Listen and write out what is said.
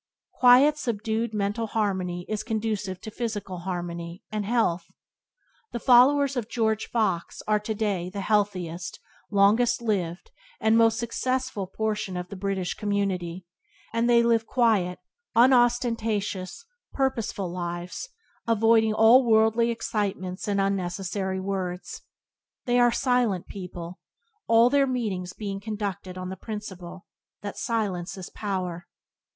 Quiet, subdued mental harmony is conducive to physical harmony — health. The followers of George Fox are today the healthiest, longest lived and most successful portion of the British community, and they live quiet, unostentatious, purposeful lives, avoiding all worldly excitements and unnecessary words. They are a silent people, all their meetings being conducted on the principle that "Silence is Power."